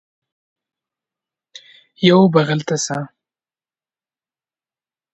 یوه بغل ته شه